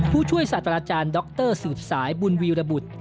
ผู้ช่วยสัตวรรษาดรสืบสายบุญวิรบุษ